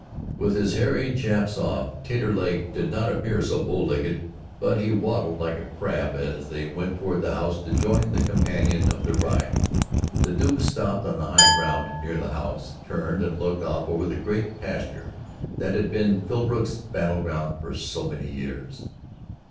With his hairy chaps off, Taterleg did not appear so bow legged, but he waddled like a crab as they went toward the house to join the companion of their ride. The Duke stopped on the high ground near the house, turned, looked off over the great pasture that had been Philbrook's battle ground for so many years.